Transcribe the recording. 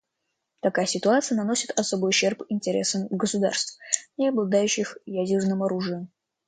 Такая ситуация наносит особый ущерб интересам государств, не обладающих ядерным оружием.